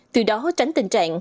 từ đó tránh tình trạng